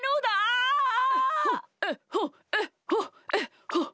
えっほえっほえっほえっほ。